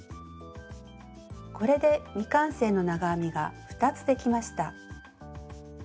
これで未完成の長編みが２つできました。